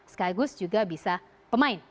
skygoose juga bisa pemain